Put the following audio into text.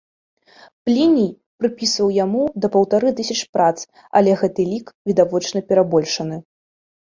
Пліній прыпісваў яму да паўтары тысяч прац, але гэты лік відавочна перабольшаны.